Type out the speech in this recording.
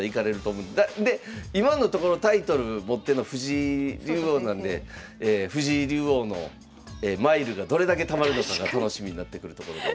で今のところタイトル持ってんの藤井竜王なんで藤井竜王のマイルがどれだけたまるのかが楽しみになってくるところでございます。